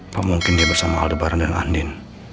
apa mungkin dia bersama aldebaran dan andin